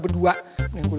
minuman lo berdua